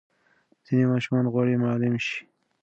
ځینې ماشومان غواړي معلم شي.